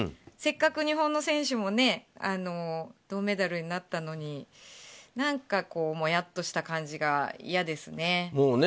せっかく日本の選手も銅メダルになったのに何かこう、もやっとした感じが嫌ですね。